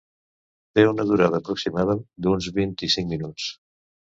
Té una durada aproximada d’uns vint-i-cinc minuts.